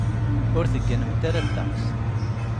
Ur tegganemt ara ddeqs.